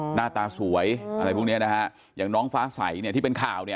หน้าตาสวยอะไรพวกเนี้ยนะฮะอย่างน้องฟ้าใสเนี่ยที่เป็นข่าวเนี่ย